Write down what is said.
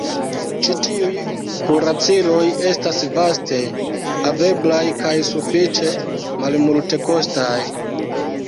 Ĉi tiuj kuraciloj estas vaste haveblaj kaj sufiĉe malmultekostaj.